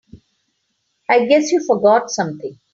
I guess you forgot something.